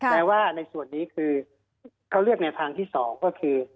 ในว่าในส่วนนี้คือเขาเลือกแนวทางที่๒ก็คือ